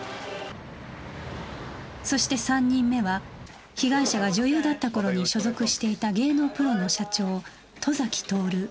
そして３人目は被害者が女優だった頃に所属していた芸能プロの社長外崎徹４５歳